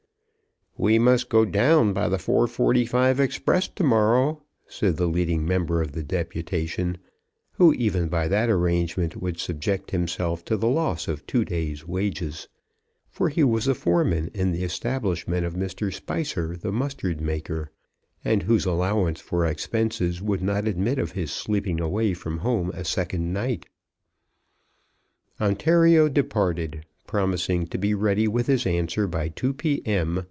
"We must go down by the 4.45 express to morrow," said the leading member of the deputation, who even by that arrangement would subject himself to the loss of two days' wages, for he was a foreman in the establishment of Mr. Spicer the mustard maker, and whose allowance for expenses would not admit of his sleeping away from home a second night. Ontario departed, promising to be ready with his answer by 2 P.M.